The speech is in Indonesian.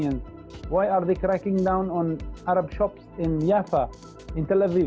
kenapa mereka mencabut kedai arab di jaffa di tel aviv